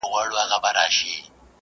پوري وهله مکوټ به يي کړله